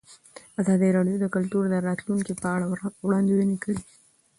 ازادي راډیو د کلتور د راتلونکې په اړه وړاندوینې کړې.